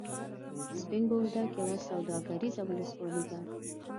سپین بولدک یوه سوداګریزه ولسوالي ده.